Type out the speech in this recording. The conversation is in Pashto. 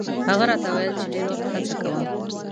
هغه راته ویل چې ډېر وخت هڅه کوم.